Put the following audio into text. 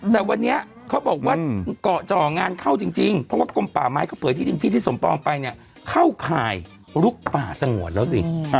แต่วันนี้เขาบอกว่าเกาะจ่องานเข้าจริงเพราะว่ากลมป่าไม้เขาเผยที่ดินที่ที่สมปองไปเนี่ยเข้าข่ายลุกป่าสงวนแล้วสิ